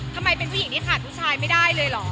ทำไมเป็นผู้หญิงที่ขาดผู้ชายไม่ได้เลยเหรอ